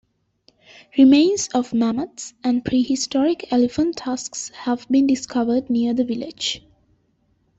Remains of mammoths and prehistoric elephant tusks have been discovered near the village.